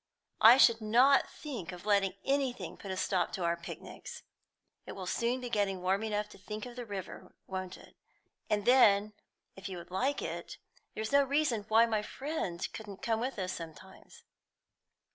"I should not think of letting anything put a stop to our picnics. It will soon be getting warm enough to think of the river, won't it? And then, if you would like it, there is no reason why my friend shouldn't come with us, sometimes."